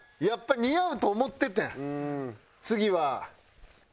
やっぱ似合うと思っててん。